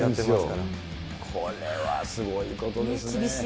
これはすごいことですね。